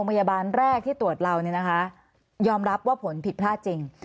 พยาบาลกับนิติกรก็พูดไป